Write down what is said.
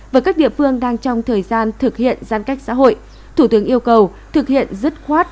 với các địa phương đang trong thời gian thực hiện giãn cách xã hội thủ tướng yêu cầu thực hiện dứt khoát